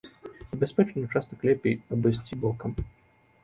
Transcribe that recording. Небяспечны ўчастак лепей абысці бокам.